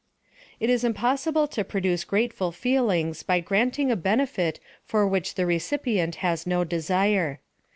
It is impossible to produce grateful feelings by granting a benefit for which the recipient has no desire.